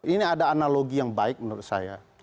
ini ada analogi yang baik menurut saya